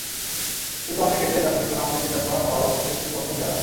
কিন্তু অনেক ক্ষেত্রেই দার্শনিকগণ আমাদের হৃদয়বান হওয়ার পথে প্রতিবন্ধক হইয়া দাঁড়ান।